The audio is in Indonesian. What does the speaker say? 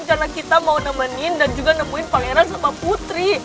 karena kita mau nemenin dan juga nemuin pangeran sama putri